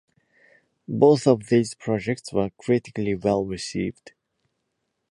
Both of these projects were critically well received.